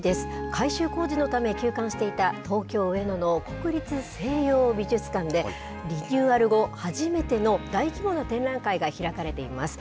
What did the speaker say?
改修工事のため休館していた、東京・上野の国立西洋美術館で、リニューアル後、初めての大規模な展覧会が開かれています。